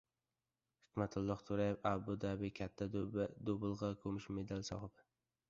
Hikmatilloh To‘rayev Abu-Dabi “Katta Dubulg‘a” kumush medali sohibi!